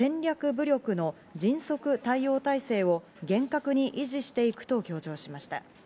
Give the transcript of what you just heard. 武力の迅速対応態勢を厳格に維持していくと強調しました。